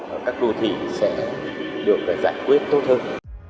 ở các đô thị sẽ được giải quyết tốt hơn